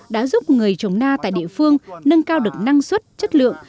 đã giúp người trồng na tại địa phương nâng cao được năng suất chất lượng